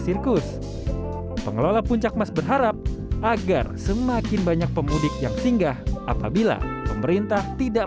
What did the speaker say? sirkus pengelola puncak mas berharap agar semakin banyak pemudik yang singgah apabila pemerintah tidak